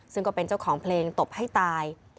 ซึ่งก็เป็นเจ้าของเพลงตบให้ตาย